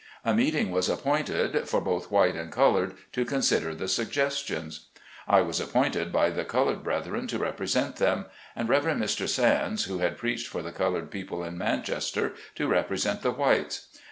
A meeting was appointed, for both white and col ored, to consider the suggestions. I was appointed by the colored brethren to repre sent them. And Rev. Mr. Sands, who had preached for the colored people in Manchester, to represent the whites.